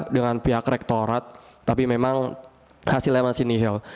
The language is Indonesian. dengan pihak rektorat tapi memang hasilnya masih nihil